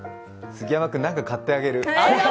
杉山君何か買ってあげる。